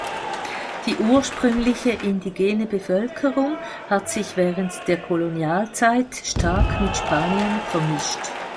Die ursprüngliche indigene Bevölkerung hat sich während der Kolonialzeit stark mit Spaniern vermischt.